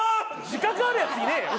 自覚あるやついねえよ